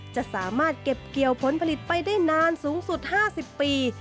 จะสามารถเก็บเกี่ยวผลผลิตไปได้นานสูงสุด๕๐ปี